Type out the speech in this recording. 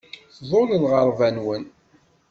Tḍul lɣerba-nwen.